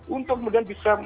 untuk kemudian bisa